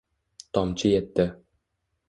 Tomchi yetdi